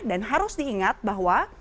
dan harus diingat bahwa